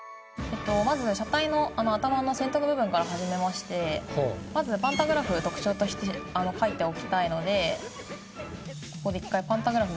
まず車体の頭の先頭部分から始めましてまずパンタグラフ特徴として描いておきたいのでここで一回パンタグラフ。